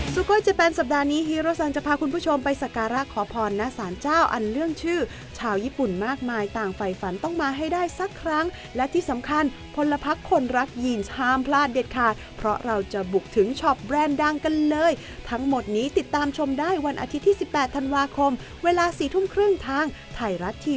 โกยเจแปนสัปดาห์นี้ฮีโรสันจะพาคุณผู้ชมไปสการะขอพรณสารเจ้าอันเรื่องชื่อชาวญี่ปุ่นมากมายต่างฝ่ายฝันต้องมาให้ได้สักครั้งและที่สำคัญพลพักคนรักยีนห้ามพลาดเด็ดขาดเพราะเราจะบุกถึงช็อปแรนด์ดังกันเลยทั้งหมดนี้ติดตามชมได้วันอาทิตย์ที่สิบแปดธันวาคมเวลาสี่ทุ่มครึ่งทางไทยรัฐทีวี